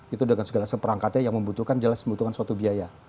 itu dengan segala seperangkatnya yang membutuhkan jelas membutuhkan suatu biaya